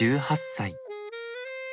１８歳。